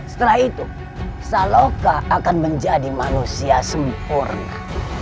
setelah itu saloka akan menjadi manusia sempurna